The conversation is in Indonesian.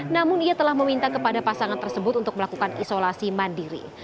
namun ia telah meminta kepada pasangan tersebut untuk melakukan isolasi mandiri